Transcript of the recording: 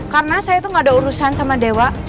karena saya tuh gak ada urusan sama dewa